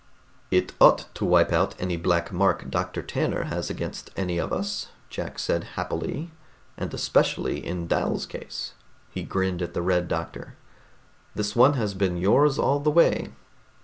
"It ought to wipe out any black mark Dr. Tanner has against any of us," Jack said happily. "And especially in Dal's case." He grinned at the Red Doctor. "This one has been yours, all the way.